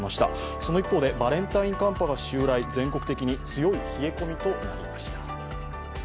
その一方でバレンタイン寒波が襲来、全国的に強い冷え込みとなりました。